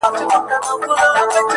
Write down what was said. فکر مي وران دی حافظه مي ورانه _